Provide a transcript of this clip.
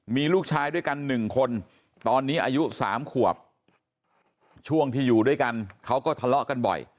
มีลูกชายด้วยกัน๑คนตอนนี้อายุ๓ขวบช่วงที่อยู่ด้วยกันเขาก็ทะเลาะกันบ่อย